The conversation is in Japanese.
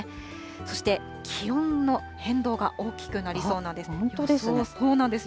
そして気温の変動が大きくなりそうなんです。